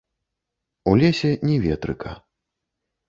У лесе ні ветрыка.